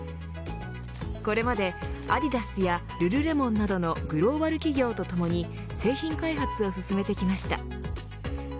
これまでアディダスやルルレモンなどのグローバル企業とともに製品開発を進めてきました。